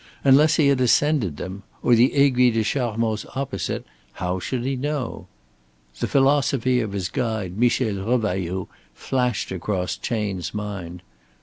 Unless he had ascended them, or the Aiguille des Charmoz opposite how should he know? The philosophy of his guide Michel Revailloud flashed across Chayne's mind.